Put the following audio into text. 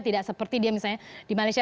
tidak seperti dia misalnya di malaysia